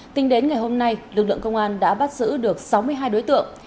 tính đến ngày hôm nay lực lượng công an đã bắt giữ được sáu mươi hai đối tượng